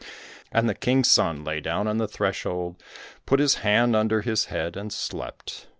And the King's son lay down on the threshold, put his hand under his head and slept.